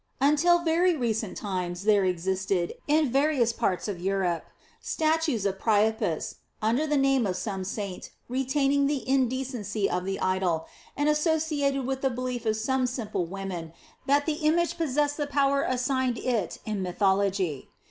Until very recent times there existed, in various parts of Europe, statues of Priapus, under the name of some saint, retaining the indecency of the idol, and associated with the belief of some simple women that the image possessed the power assigned it in mythology.